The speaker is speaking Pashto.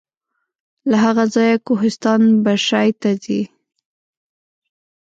له هغه ځایه کوهستان بشای ته ځي.